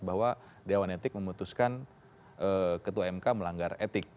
bahwa dewan etik memutuskan ketua mk melanggar etik